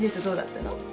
どうだったの？